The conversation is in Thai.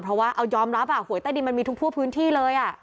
เพราะว่าเอายอมรับหวยใต้ดินมันมีทุกทั่วพื้นที่เลย